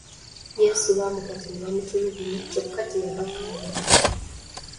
Yesu baamukwata ne bamutulugunya kyokka teyabakaayanya.